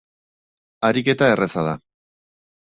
Ariketa erraza da.